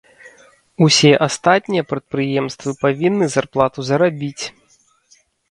Усе астатнія прадпрыемствы павінны зарплату зарабіць.